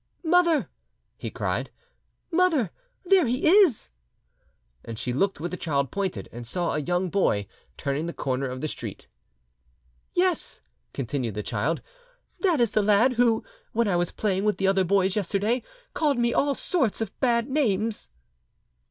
"Mother!" he cried, "mother, there he is!" She looked where the child pointed, and saw a young boy turning the corner of the street. "Yes," continued the child, "that is the lad who, when I was playing with the other boys yesterday, called me all sorts of bad names."